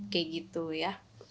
kayak gitu ya